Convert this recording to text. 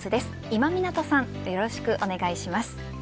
今湊さんよろしくお願いします。